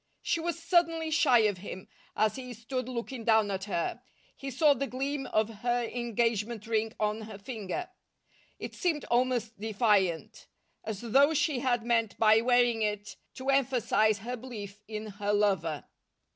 She was suddenly shy of him, as he stood looking down at her. He saw the gleam of her engagement ring on her finger. It seemed almost defiant. As though she had meant by wearing it to emphasize her belief in her lover.